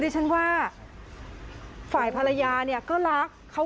แต่ถ้ามีคนใหม่ก็ยังจะทำอย่างนี้กับเขา